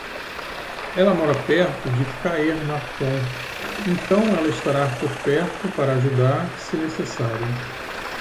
Ela mora perto de Caernarfon, então ela estará por perto para ajudar, se necessário.